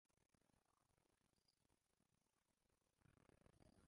Imbwa nini yumukara ifata mugihe imbwa nini yumukara ikurikira nyuma gato